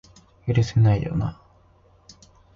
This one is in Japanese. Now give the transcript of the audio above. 許せないよな